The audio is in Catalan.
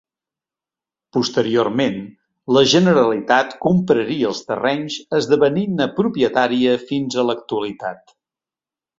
Posteriorment, la Generalitat compraria els terrenys esdevenint-ne propietària fins a l'actualitat.